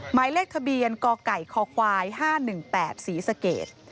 หมายเลขทะเบียนกไก่คคควาย๕๑๘ศรีสเกต